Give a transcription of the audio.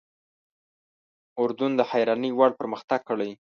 اردن د حیرانۍ وړ پرمختګ کړی.